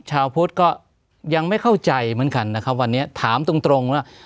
ชาวพุทธก็ยังไม่เข้าใจเหมือนกันนะครับวันนี้ถามตรงตรงว่า